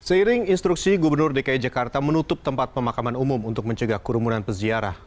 seiring instruksi gubernur dki jakarta menutup tempat pemakaman umum untuk mencegah kerumunan peziarah